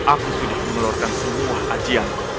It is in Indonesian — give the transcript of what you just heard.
aku sudah mengeluarkan semua kajian